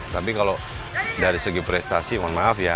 tapi kalau dari segi prestasi mohon maaf ya